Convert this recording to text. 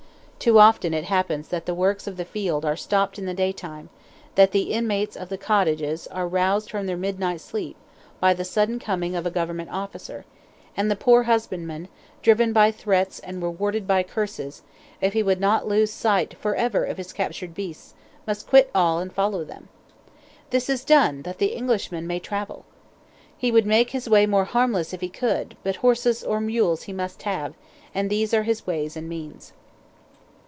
Too often it happens that the works of the field are stopped in the daytime, that the inmates of the cottage are roused from their midnight sleep, by the sudden coming of a Government officer, and the poor husbandman, driven by threats and rewarded by curses, if he would not lose sight for ever of his captured beasts, must quit all and follow them. This is done that the Englishman may travel. He would make his way more harmless if he could, but horses or mules he must have, and these are his ways and means.